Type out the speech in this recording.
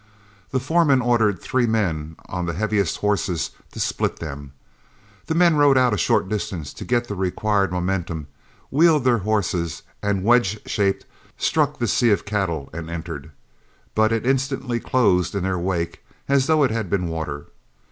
The foreman ordered three men on the heaviest horses to split them. The men rode out a short distance to get the required momentum, wheeled their horses, and, wedge shaped, struck this sea of cattle and entered, but it instantly closed in their wake as though it had been water.